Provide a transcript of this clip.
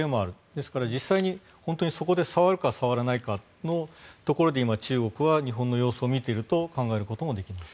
ですから実際に本当にそこで触るか触らないかのところで中国は日本の様子を見ていると考えられます。